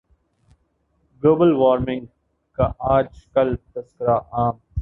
global warming کا آج کل تذکرہ عام